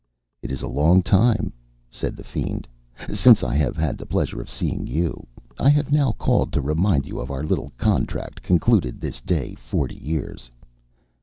"It is a long time," said the fiend, "since I have had the pleasure of seeing you. I have now called to remind you of our little contract, concluded this day forty years."